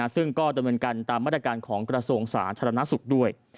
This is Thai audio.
ซึ่งก็ดำเนินกันตามมาตรการของกระทรวงศาสตร์ธรรมนักศึกษ์ด้วย